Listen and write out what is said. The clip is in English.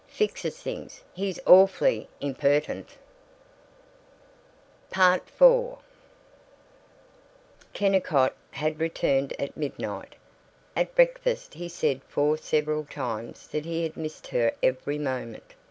Fixes things. He's awfully impertinent.") IV Kennicott had returned at midnight. At breakfast he said four several times that he had missed her every moment.